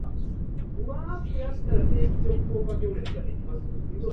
I tried to force the music in different directions.